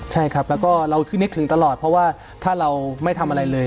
ใช่ครับแล้วก็เราคือนึกถึงตลอดเพราะว่าถ้าเราไม่ทำอะไรเลย